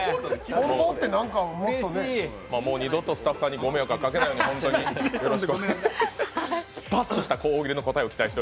もう二度とスタッフさんにご迷惑をかけないようにお願いします。